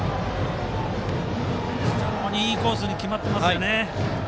非常にいいコースに決まっていますね。